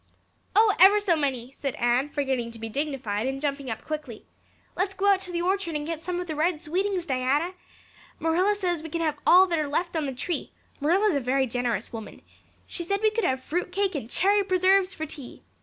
"Oh, ever so many," said Anne forgetting to be dignified and jumping up quickly. "Let's go out to the orchard and get some of the Red Sweetings, Diana. Marilla says we can have all that are left on the tree. Marilla is a very generous woman. She said we could have fruit cake and cherry preserves for tea.